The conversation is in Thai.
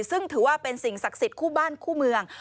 ซึ่งถือว่าเป็นสิ่งศักดิ์สิทธิ์คู่บ้านคู่เมือง